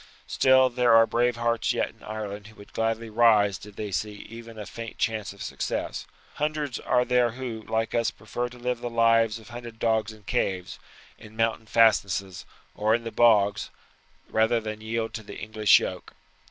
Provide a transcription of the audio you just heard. Still there are brave hearts yet in Ireland who would gladly rise did they see even a faint chance of success. Hundreds are there who, like us, prefer to live the lives of hunted dogs in caves, in mountain fastnesses, or in the bogs, rather than yield to the English yoke.